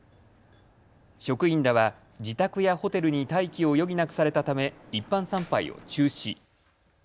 職員らは自宅やホテルに待機を余儀なくされたため一般参拝を中止。